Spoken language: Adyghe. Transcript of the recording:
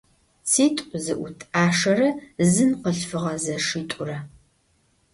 ЦитӀу зыӀут Ӏашэрэ зын къылъфыгъэ зэшитӀурэ.